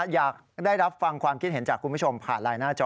อยากได้รับฟังความคิดเห็นจากคุณผู้ชมผ่านไลน์หน้าจอ